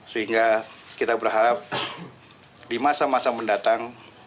sehingga kita berharap di masa masa mendatang